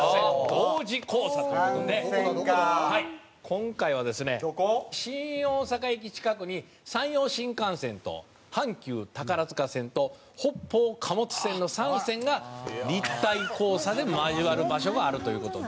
今回はですね新大阪駅近くに山陽新幹線と阪急宝塚線と北方貨物線の３線が立体交差で交わる場所があるという事で。